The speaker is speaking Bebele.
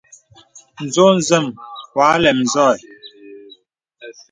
N̄zɔ̄ zam wɔ à lɛm zɔ̄ ɛ.